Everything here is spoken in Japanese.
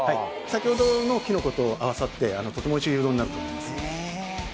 さきほどのきのことあわさってとてもおいしいうどんになると思います